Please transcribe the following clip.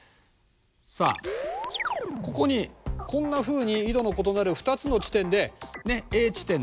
さあここにこんなふうに緯度の異なる２つの地点でＡ地点Ｂ地点。